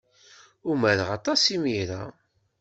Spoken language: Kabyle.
Umareɣ aṭas imir-a.